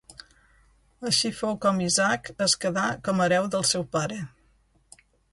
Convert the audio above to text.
Així fou com Isaac es quedà com a hereu del seu pare.